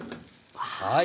はい。